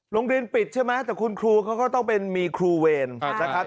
โรงเรียนปิดใช่ไหมแต่คุณครูเขาก็ต้องเป็นมีครูเวรนะครับ